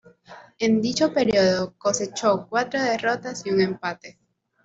En dicho periodo cosechó cuatro derrotas y un empate.